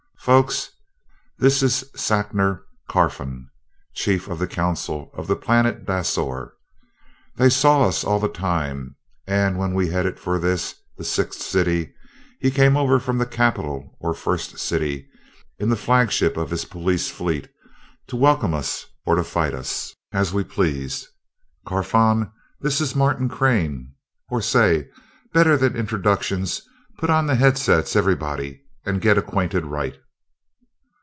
Folks, this is Sacner Carfon, Chief of the Council of the planet Dasor. They saw us all the time, and when we headed for this, the Sixth City, he came over from the capital, or First City, in the flagship of his police fleet, to welcome us or to fight us, as we pleased. Carfon, this is Martin Crane or say, better than introductions, put on the headsets, everybody, and get acquainted right."